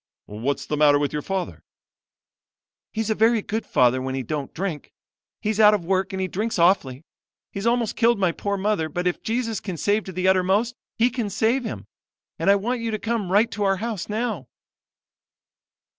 "'What's the matter with your father?' "'He's a very good father when he don't drink. He's out of work and he drinks awfully. He's almost killed my poor mother; but if Jesus can save to the uttermost, He can save him. And I want you to come right to our house now.'